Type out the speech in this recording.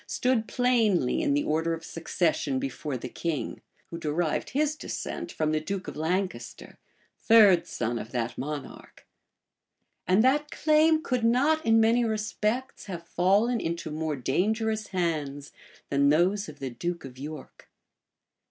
stood plainly in the order of succession before the king, who derived his descent from the duke of Lancaster, third son of that monarch; and that claim could not, in many respects, have fallen into more dangerous hands man those of the duke of York.